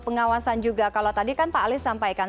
pengawasan juga kalau tadi kan pak ali sampaikan